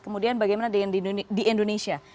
kemudian bagaimana dengan di indonesia